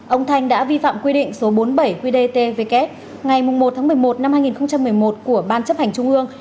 ông thanh đã vi phạm quy định số bốn mươi bảy qdtvk ngày một một mươi một năm hai nghìn một mươi một của ban chấp hành trung ương